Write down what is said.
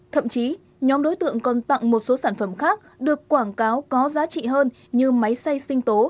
thậm chí nhóm đối tượng còn tặng một số sản phẩm khác được quảng cáo có giá trị hơn như máy xay sinh tố